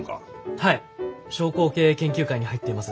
はい商工経営研究会に入っています。